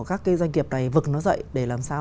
các cái doanh nghiệp này vực nó dậy để làm sao